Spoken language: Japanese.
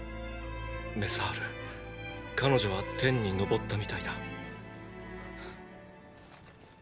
メサール彼女は天に昇ったみたいだ。